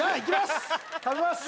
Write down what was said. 食べます！